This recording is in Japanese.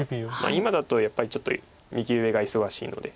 今だとやっぱりちょっと右上が忙しいので。